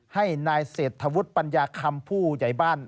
ให้นายเศรษฐวุฒิปัญญาคำผู้ใหญ่บ้าน